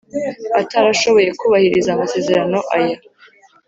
Atarashoboye kubahiriza amasezerano aya